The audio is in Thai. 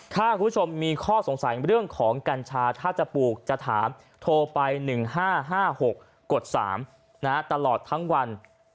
ถ้าคุณผู้ชมมีข้อสงสัยเรื่องของกัญชาถ้าจะปลูกจะถามโทรไป๑๕๕๖กฎ๓ตลอดทั้งวัน